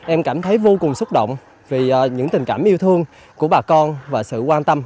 em cảm thấy vô cùng xúc động vì những tình cảm yêu thương của bà con và sự quan tâm